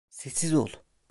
Sessiz ol!